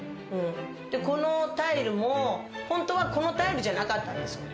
このタイルも、本当はこのタイルじゃなかったんですね。